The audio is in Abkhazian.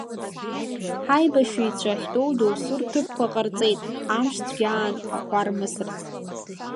Ҳаибашьыҩцәа ахьтәоу доусы рҭыԥқәа ҟарҵеит, амш цәгьа аан ақәа рмысырц.